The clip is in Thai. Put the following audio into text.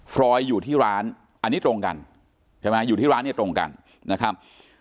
รอยอยู่ที่ร้านอันนี้ตรงกันใช่ไหมอยู่ที่ร้านเนี่ยตรงกันนะครับ